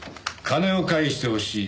「金を返して欲しい。